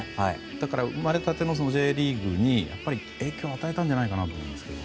だから生まれたてのＪリーグに影響を与えたんじゃないかと思うんですけど。